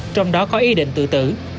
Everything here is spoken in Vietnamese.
trong đó có ý định tự tử